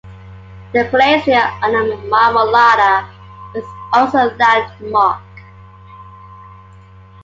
The glacier on the Marmolada is also a landmark.